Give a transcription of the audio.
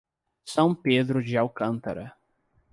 São Pedro de Alcântara